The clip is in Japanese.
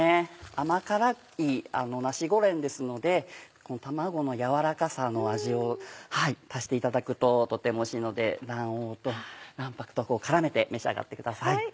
甘辛いナシゴレンですので卵のやわらかさの味を足していただくととてもおいしいので卵黄と卵白と絡めて召し上がってください。